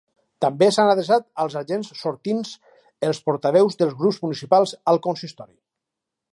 També s’han adreçat als agents sortints els portaveus dels grups municipals al consistori.